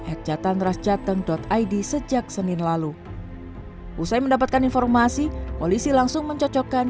ekjatan rasjateng id sejak senin lalu usai mendapatkan informasi polisi langsung mencocokkan